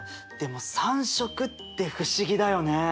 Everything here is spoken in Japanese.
でも３色って不思議だよね。